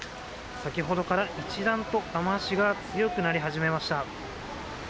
先ほどから一段と雨足が強くなり始めました。